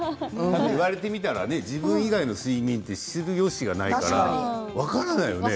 言われてみたら自分以外の睡眠って知るよしがないから分からないよね。